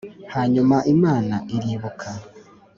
Hanyuma Imana iribuka